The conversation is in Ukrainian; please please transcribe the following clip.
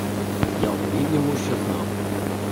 Я оповів йому, що знав.